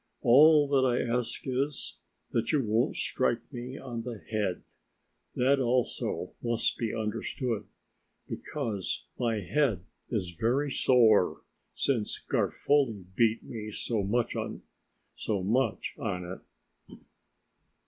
All that I ask is, that you won't strike me on the head; that also must be understood, because my head is very sore since Garofoli beat me so much on it."